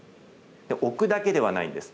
置くだけではないんです。